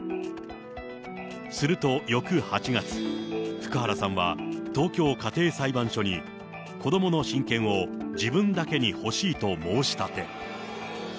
すると、翌８月、福原さんは東京家庭裁判所に、子どもの親権を自分だけに欲しいと申し立て。